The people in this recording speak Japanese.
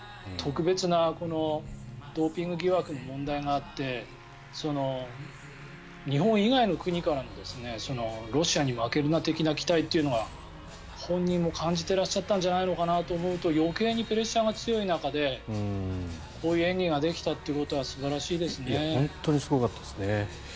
特別な、このドーピング疑惑の問題があって日本以外の国からもロシアに負けるな的な期待ってのが本人も感じてらっしゃったんじゃないかなと思うと余計にプレッシャーが強い中でこういう演技ができたということは本当にすごかったですね。